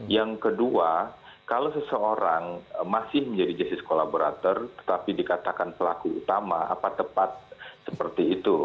yang kedua kalau seseorang masih menjadi justice collaborator tetapi dikatakan pelaku utama apa tepat seperti itu